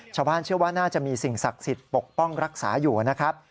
ชาวบ้านเชื่อว่าน่าจะมีสิ่งศักดิ์สิทธิ์ปกป้องรักษาอยู่นะครับ